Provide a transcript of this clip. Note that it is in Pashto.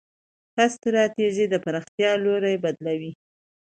ښه ستراتیژي د پراختیا لوری بدلوي.